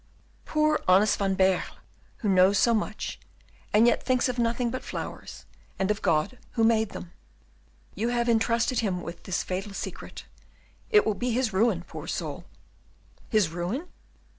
"Poor honest Van Baerle! who knows so much, and yet thinks of nothing but of flowers and of God who made them. You have intrusted him with this fatal secret; it will be his ruin, poor soul!" "His ruin?"